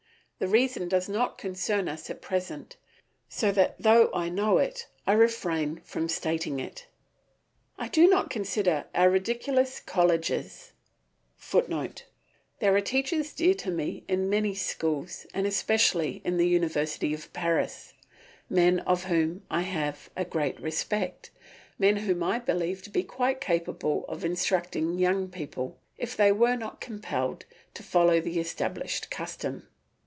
The reason does not concern us at present, so that though I know it I refrain from stating it. I do not consider our ridiculous colleges [Footnote: There are teachers dear to me in many schools and especially in the University of Paris, men for whom I have a great respect, men whom I believe to be quite capable of instructing young people, if they were not compelled to follow the established custom.